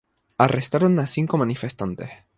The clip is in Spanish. Arrestaron a cinco manifestantes.